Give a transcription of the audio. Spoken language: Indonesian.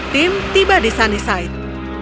tim tiba di sunnyside